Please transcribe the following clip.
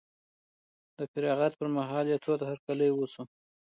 د فراغت پر مهال یې تود هرکلی وشو.